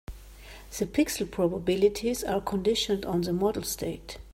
The pixel probabilities are conditioned on the model state.